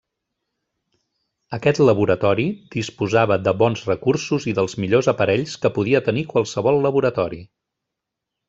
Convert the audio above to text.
Aquest laboratori disposava de bons recursos i dels millors aparells que podia tenir qualsevol laboratori.